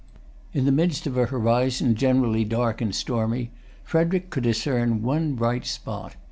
In the midst of a horizon generally dark and stormy Frederic could discern one bright spot.